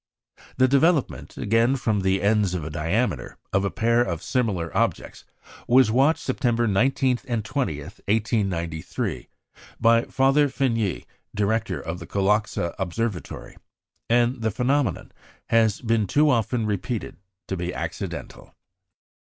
The development, again from the ends of a diameter, of a pair of similar objects was watched, September 19 and 20, 1893, by Father Fényi, Director of the Kalocsa Observatory; and the phenomenon has been too often repeated to be accidental.